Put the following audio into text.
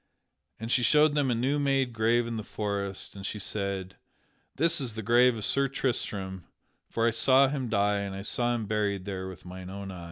And she showed them a new made grave in the forest, and she said: "That is the grave of Sir Tristram, for I saw him die and I saw him buried there with mine own eyes."